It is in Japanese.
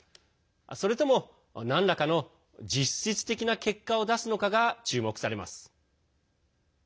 それとも、なんらかの実質的な結果を出すのかが注目されます。